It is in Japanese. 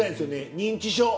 認知症。